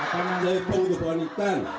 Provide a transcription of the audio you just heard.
kecebong itu buah nitan